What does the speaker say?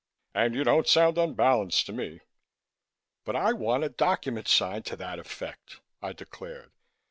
And you don't sound unbalanced to me." "But I want a document signed to that effect," I declared.